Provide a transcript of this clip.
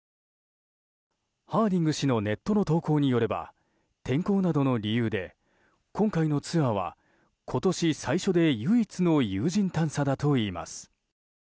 ハーディング氏のネットの投稿によれば天候などの理由で今回のツアーは今年最初で唯一の有人探査だといいます。